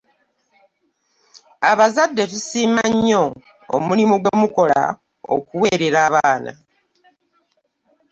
Abazadde tusiima nnyo omulimu gwe mukola okuweerera abaana.